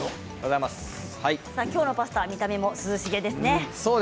きょうのパスタは見た目も涼しげですね。